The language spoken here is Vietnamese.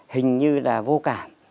hình như là vô cảm